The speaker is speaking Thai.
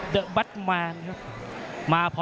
นักมวยจอมคำหวังเว่เลยนะครับ